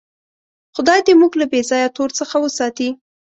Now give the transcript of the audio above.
خدای دې موږ له بېځایه تور څخه وساتي.